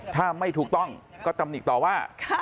ถ้าไม่ถูกต้องก็ตำหนิต่อว่า